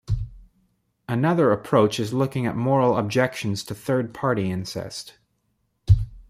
Another approach is looking at moral objections to third-party incest.